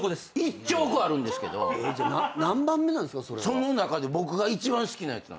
その中で僕が一番好きなやつなんすよ。